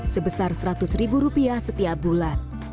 sebesar seratus ribu rupiah setiap bulan